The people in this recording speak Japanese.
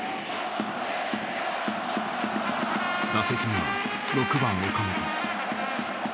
打席には６番岡本。